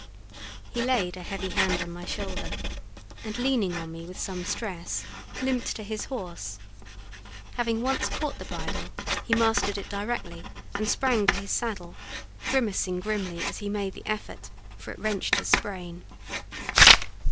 He laid a heavy hand on my shoulder, and leaning on me with some stress, limped to his horse. Having once caught the bridle, he mastered it directly and sprang to his saddle; grimacing grimly as he made the effort, for it wrenched his sprain.